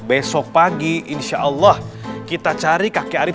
besok pagi insya allah kita cari kakek arief